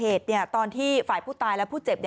มันเป็นวันเรียงมันเป็นวันเรียง